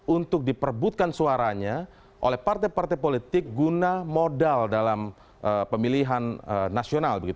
untuk diperbutkan suaranya oleh partai partai politik guna modal dalam pemilihan nasional